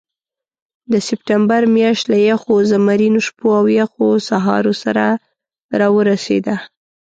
د سپټمبر میاشت له یخو زمرینو شپو او یخو سهارو سره راورسېده.